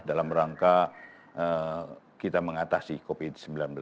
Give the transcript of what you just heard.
dalam rangka kita mengatasi covid sembilan belas